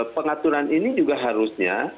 pengaturan ini juga harusnya